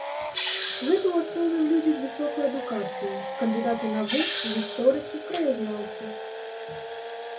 Гэта ў асноўным людзі з высокай адукацыяй, кандыдаты навук, гісторыкі, краязнаўцы.